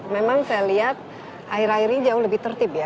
memang saya lihat air airnya jauh lebih tertib ya